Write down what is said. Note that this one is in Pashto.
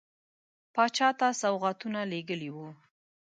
پاچا ته سوغاتونه لېږلي وه.